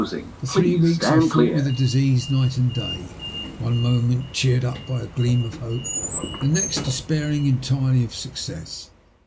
For three weeks I fought with the disease night and day, one moment cheered by a gleam of hope, the next despairing entirely of success.